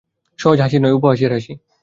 সহজ হাসি নয়, উপহাসের হাসি।